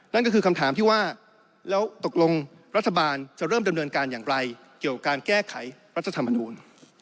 นั่นก็คือคำถามที่ว่าแล้วตกลงรัฐบาลจะเริ่มดำเนินการอย่างไรเกี่ยวกับการแก้ไขรัฐธรรมนูล